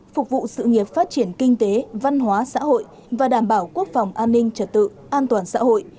phục vụ sự nghiệp phát triển kinh tế văn hóa xã hội và đảm bảo quốc phòng an ninh trật tự an toàn xã hội